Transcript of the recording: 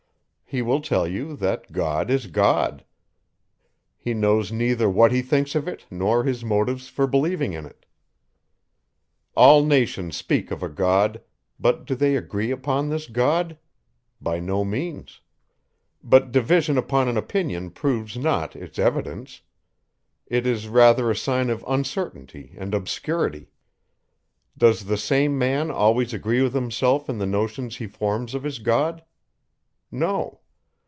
He will tell you, that God is God. He knows neither what he thinks of it, nor his motives for believing in it. All nations speak of a God; but do they agree upon this God? By no means. But division upon an opinion proves not its evidence; it is rather a sign of uncertainty and obscurity. Does the same man always agree with himself in the notions he forms of his God? No.